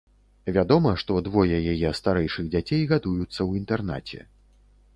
Вядома, што двое яе старэйшых дзяцей гадуюцца ў інтэрнаце.